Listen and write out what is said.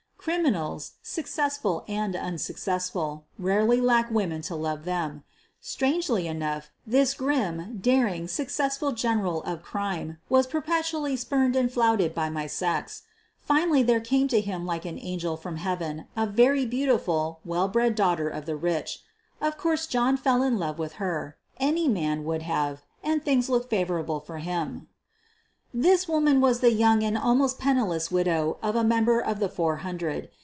Criminals, successful and unsuccessful, rarely lack women to love them. Strangely enough, this grim, daring, successful general of crime was per petually spurned and flouted by my sex. Finally there came to him like an angel from heaven a very beautiful, well bred daughter of the rich. Of course, John fell in love with her — any man would have — and things looked favorable for him. 204 SOPHIE LYONS This woman was the young and almost penniless widow of a member of the "four hundred."